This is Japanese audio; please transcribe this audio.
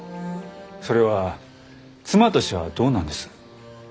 それは妻としてはどうなんです？